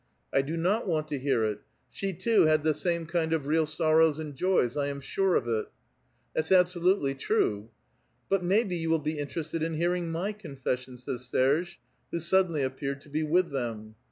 "I do not want to hear it. She, too, had the same kind of real sorrows and joys, I am sure of it." '* That's absolutely true." "But, maybe, you will be interested in hearing my con fession," says Serge, who suddenly appeared to be with them.